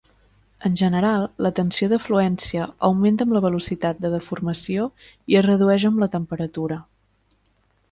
En general, la tensió de fluència augmenta amb la velocitat de deformació i es redueix amb la temperatura.